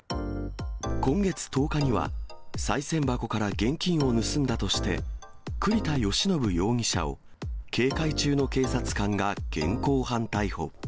今月１０日にはさい銭箱から現金を盗んだとして、栗田義信容疑者を警戒中の警察官が現行犯逮捕。